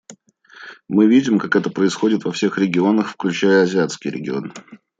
Мы видим, как это происходит во всех регионах, включая азиатский регион.